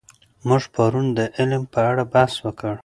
موږ پرون د علم په اړه بحث وکړ.